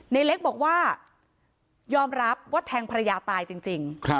ในเล็กบอกว่ายอมรับว่าแทงภรรยาตายจริง